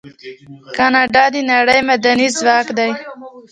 کاناډا د نړۍ معدني ځواک دی.